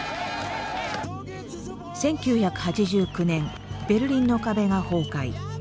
１９８９年ベルリンの壁が崩壊。